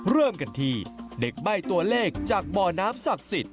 เริ่มกันที่เด็กใบ้ตัวเลขจากบ่อน้ำศักดิ์สิทธิ